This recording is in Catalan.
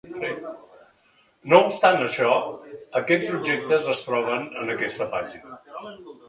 No obstant això, aquests objectes es troben en aquesta pàgina.